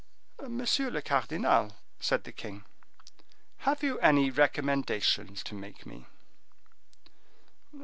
"Monsieur le cardinal," said the king, "have you any recommendations to make me?"